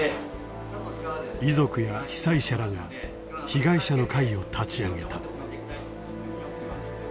遺族や被災者らが被害者の会を立ち上げた。